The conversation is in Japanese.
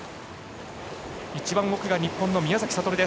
一番奥が日本、宮崎哲。